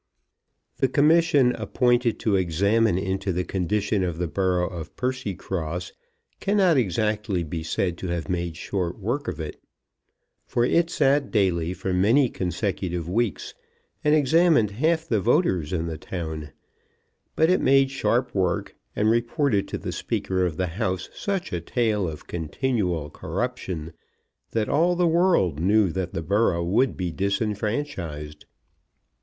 The Commission appointed to examine into the condition of the borough of Percycross cannot exactly be said to have made short work of it, for it sat daily for many consecutive weeks, and examined half the voters in the town; but it made sharp work, and reported to the Speaker of the House such a tale of continual corruption, that all the world knew that the borough would be disfranchised.